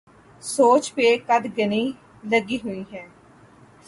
سوچ پہ قدغنیں لگی ہوئی ہیں۔